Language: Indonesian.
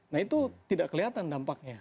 nah itu tidak kelihatan dampaknya